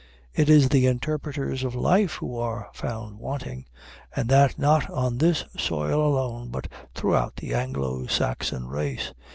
It is the interpreters of life who are found wanting, and that not on this soil alone, but throughout the Anglo Saxon race.